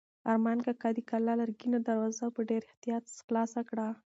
ارمان کاکا د کلا لرګینه دروازه په ډېر احتیاط خلاصه کړه.